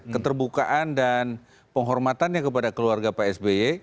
keterbukaan dan penghormatannya kepada keluarga pak sby